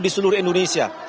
di seluruh indonesia